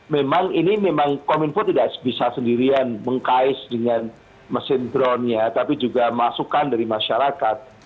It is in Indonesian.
memang ini memang kominfo tidak bisa sendirian mengkais dengan mesin drone nya tapi juga masukan dari masyarakat